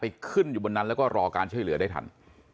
ขึ้นอยู่บนนั้นแล้วก็รอการช่วยเหลือได้ทัน